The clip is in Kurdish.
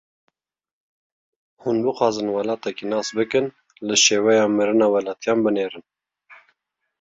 Hûn bixwazin welatekî nas bikin, li şêweya mirina welatiyan binêrin.